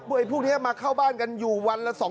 พวกนี้มาเข้าบ้านกันอยู่วันละ๒๓ชั่วโมง